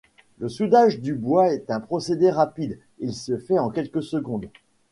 Le soudage du bois est un procédé rapide, il se fait en quelques secondes.